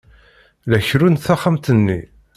La kerrunt taxxamt-nni.